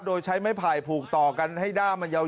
โดยใช้ไม้ไผ่ผูกต่อกันให้ด้ามมันยาว